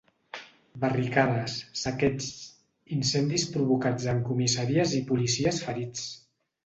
Barricades, saqueigs, incendis provocats en comissaries i policies ferits.